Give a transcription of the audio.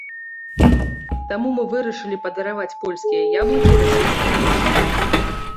Таму мы вырашылі падараваць польскія яблыкі расейскім вучням.